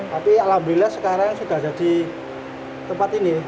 tapi alhamdulillah sekarang sudah jadi tempat ini